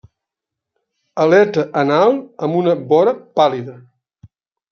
Aleta anal amb una vora pàl·lida.